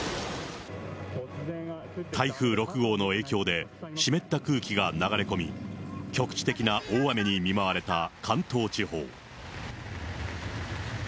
台風６号の影響で、湿った空気が流れ込み、局地的な大雨に見舞われた関東地方。